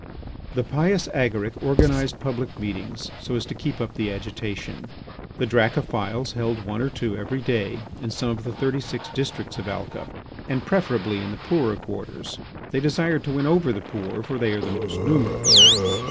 The pious Agaric organised public meetings so as to keep up the agitation. The Dracophils held one or two every day in some of the thirty six districts of Alca, and preferably in the poorer quarters. They desired to win over the poor, for they are the most numerous.